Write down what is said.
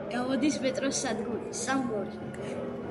გამოდის მეტროს სადგური „სამგორი“.